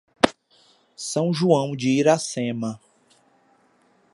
São João de Iracema